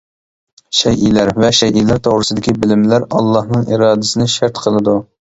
شەيئىلەر ۋە شەيئىلەر توغرىسىدىكى بىلىملەر ئاللانىڭ ئىرادىسىنى شەرت قىلىدۇ.